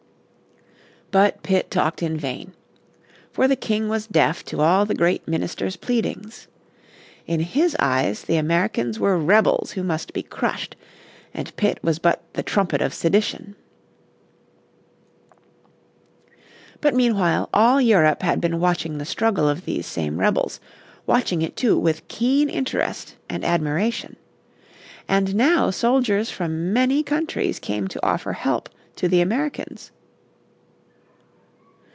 But Pitt talked in vain. For the King was deaf to all the great minister's pleadings. In his eyes the Americans were rebels who must be crushed, and Pitt was but the "trumpet of sedition." But meanwhile all Europe had been watching the struggle of these same rebels, watching it, too, with keep interest and admiration. And now soldiers from many countries came to offer help to the Americans.